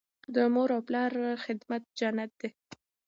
د مور او پلار خدمت جنت دی.